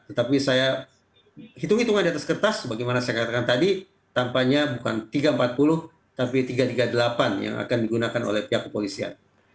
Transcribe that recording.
tetapi saya hitung hitungan di atas kertas bagaimana saya katakan tadi tampaknya bukan tiga ratus empat puluh tapi tiga ratus tiga puluh delapan yang akan digunakan oleh pihak kepolisian